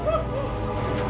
sampai jumpa lagi